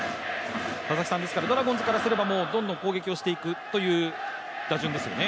ドラゴンズからすれば、どんどん攻撃をしていくという打順ですよね。